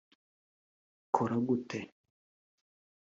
ikora gute